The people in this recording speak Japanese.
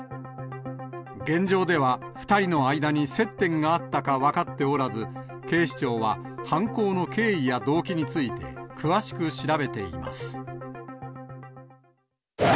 現状では２人の間に接点があったか分かっておらず、警視庁は犯行の経緯や動機について、詳しく調べています。